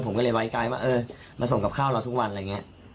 ผมก็เลยไว้ใจว่าเออมาส่งกับข้าวเราทุกวันอะไรอย่างนี้